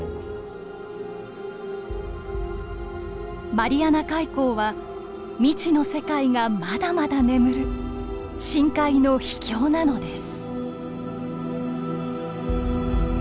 マリアナ海溝は未知の世界がまだまだ眠る深海の秘境なのです。